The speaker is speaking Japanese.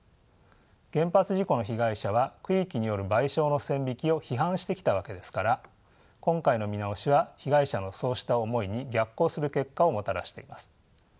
原発事故の被害者は区域による賠償の線引きを批判してきたわけですから今回の見直しは被害者のそうした思いに逆行する結果をもたらしています。